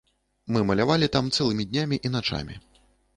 Мы малявалі там цэлымі днямі і начамі.